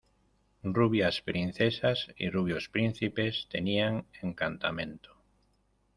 rubias princesas y rubios príncipes tenían encantamento!...